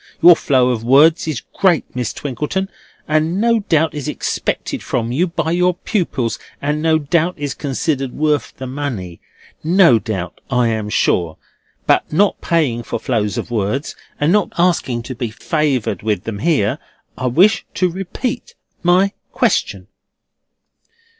Your flow of words is great, Miss Twinkleton, and no doubt is expected from you by your pupils, and no doubt is considered worth the money. No doubt, I am sure. But not paying for flows of words, and not asking to be favoured with them here, I wish to repeat my question."